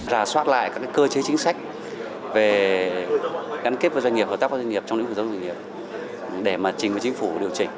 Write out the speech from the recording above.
rà soát lại các cơ chế chính sách về gắn kết với doanh nghiệp hợp tác với doanh nghiệp trong những hướng dẫn doanh nghiệp để mà chính phủ điều chỉnh